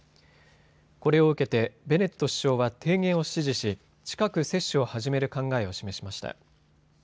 これを受けてベネット首相は提言を支持し、近く接種を始める考えを示しました。